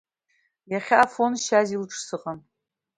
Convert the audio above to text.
Иахьа Афон, Шьази лҿы сыҟан.